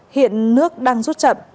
hiện nước đang rút chậm